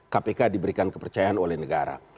kpk diberikan kepercayaan oleh negara